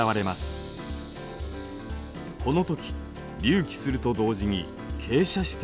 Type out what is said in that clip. このとき隆起すると同時に傾斜しています。